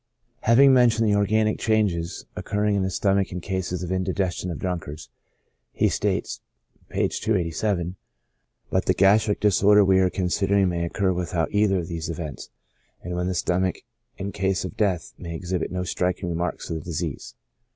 Having men tioned the organic changes occurring in the stomach in cases of indigestion of drunkards, he states, (page 287,) "But the gastric disorder we are considering may occur without either of these events, and when the stomach in case of death may exhibit no striking marks of disease."